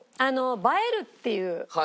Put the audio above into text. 映えるっていうねっ。